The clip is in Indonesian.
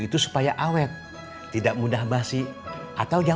itu yang kita berhati hati ya